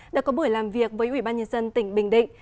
đã có buổi làm việc với ủy ban nhân dân tỉnh bình định